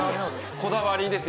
こだわりですね。